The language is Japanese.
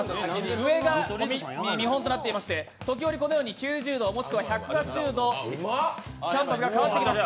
上が見本となっていまして時折、９０度もしくは１８０度キャンバスが変わってきます。